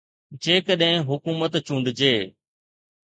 جيڪڏهن حڪومت چونڊجي.